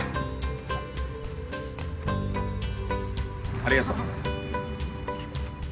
ありがとう。